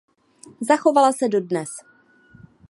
Zachovala se dodnes.